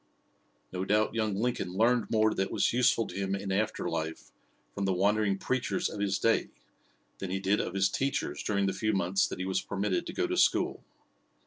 No doubt young Lincoln learned more that was useful to him in after life from the wandering preachers of his day than he did of his teachers during the few months that he was permitted to go to school.